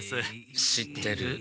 知ってる。